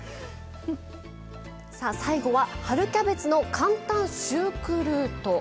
さあ最後は春キャベツの簡単シュークルート。